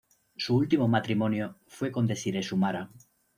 Su último matrimonio fue con Desiree Sumara.